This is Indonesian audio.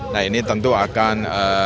nah ini tentu akan